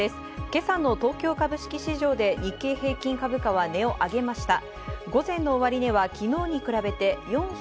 今朝の東京株式市場で日経平均株価は値を上げました。